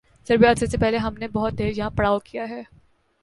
ضرب عضب سے پہلے ہم نے بہت دیر یہاں پڑاؤ کیا ہے۔